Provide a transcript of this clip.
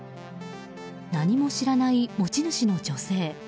何も知らない持ち主の女性。